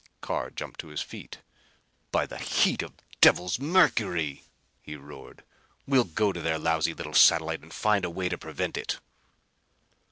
Carr jumped to his feet. "By the heat devils of Mercury!" he roared, "well go to their lousy little satellite and find a way to prevent it!"